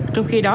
trong khi đó